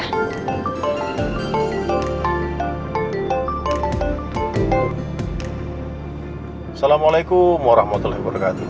assalamualaikum warahmatullahi wabarakatuh